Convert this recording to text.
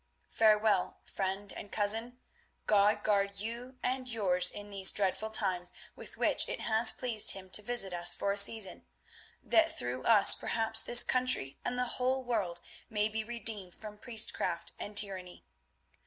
Farewell, friend and cousin. God guard you and yours in these dreadful times with which it has pleased Him to visit us for a season, that through us perhaps this country and the whole world may be redeemed from priestcraft and tyranny.